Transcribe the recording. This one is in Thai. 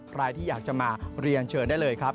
ใครที่อยากจะมาเรียนเชิญได้เลยครับ